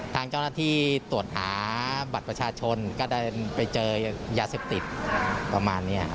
ทางเจ้าหน้าที่ตรวจหาบัตรประชาชนก็ได้ไปเจอยาเสพติดประมาณนี้